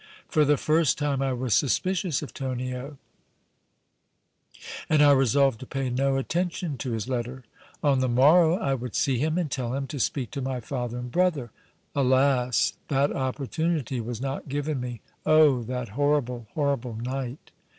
For the first time I was suspicious of Tonio, and I resolved to pay no attention to his letter. On the morrow I would see him and tell him to speak to my father and brother. Alas! that opportunity was not given me. Oh! that horrible, horrible night!"